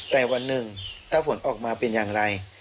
แต่วันหนึ่งถ้าผลออกมาเป็นอย่างไร